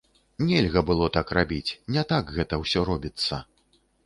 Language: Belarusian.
Нельга было так рабіць, не так гэта ўсё робіцца.